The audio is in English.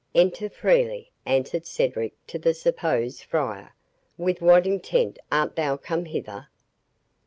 "Enter freely," answered Cedric to the supposed friar; "with what intent art thou come hither?"